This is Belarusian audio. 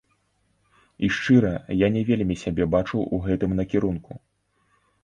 І шчыра, я не вельмі сябе бачу ў гэтым накірунку.